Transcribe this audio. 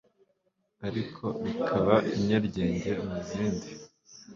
ariko bikaba inyaryenge mu zindi